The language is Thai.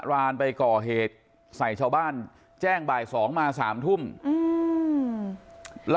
รานไปก่อเหตุใส่ชาวบ้านแจ้งบ่ายสองมาสามทุ่มอืมแล้ว